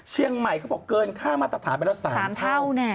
เชียงใหม่เขาบอกเกินข้ามตรฐานไปแล้ว๓เท่า